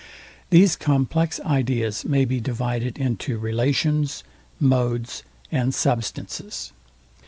These complex ideas may be divided into Relations, Modes, and Substances.